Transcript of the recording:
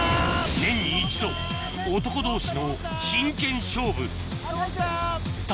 年に一度男同士の真剣勝負のこった！